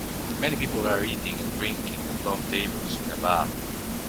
Many people are eating and drinking at long tables in a bar.